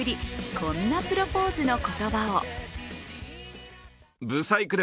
こんなプロポーズの言葉を。